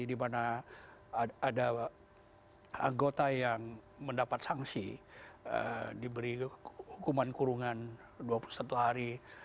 di mana ada anggota yang mendapat sanksi diberi hukuman kurungan dua puluh satu hari